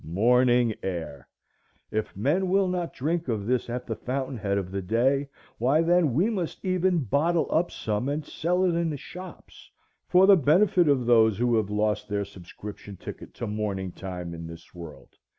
Morning air! If men will not drink of this at the fountain head of the day, why, then, we must even bottle up some and sell it in the shops, for the benefit of those who have lost their subscription ticket to morning time in this world.